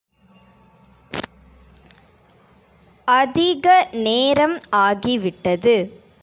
அதிக நேரம் ஆகிவிட்டது.